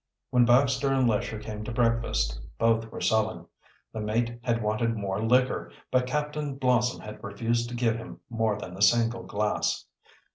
When Baxter and Lesher came to breakfast both were sullen. The mate had wanted more liquor, but Captain Blossom had refused to give him more than a single glass.